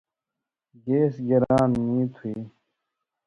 گیس گِران نی تُھو یی؟